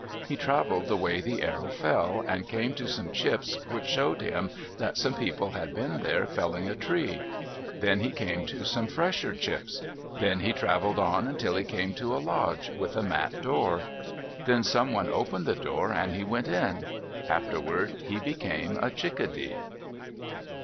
He traveled the way the arrow fell and came to some chips which showed him that some people had been there felling a tree. Then he came to some fresher chips. Then he traveled on until he came to a lodge, with a mat door. Then someone opened the door and he went in. Afterward he became the chickadee.